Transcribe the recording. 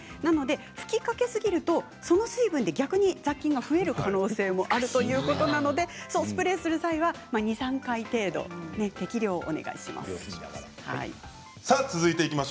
吹きかけすぎるとその水分で逆に雑菌が増える可能性もあるということなのでスプレーする際は２、３回程度適量をお願いします。